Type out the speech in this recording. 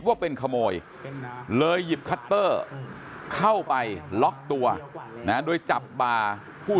ว่าเป็นขโมยเลยหยิบคัตเตอร์เข้าไปล็อกตัวนะโดยจับบ่าผู้